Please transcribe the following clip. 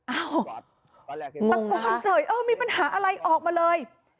อ้าวตะโกนเฉยมีปัญหาอะไรออกมาเลย